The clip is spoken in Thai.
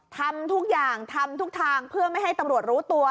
ทำทุกอย่างทำทุกทางเพื่อไม่ให้ตำรวจรู้ตัว